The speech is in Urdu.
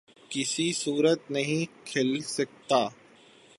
کسی صورت نہیں کھل سکتا